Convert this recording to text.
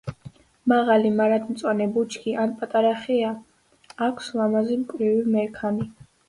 მაღალი მარადმწვანე ბუჩქი ან პატარა ხეა, აქვს ლამაზი მკვრივი მერქანი.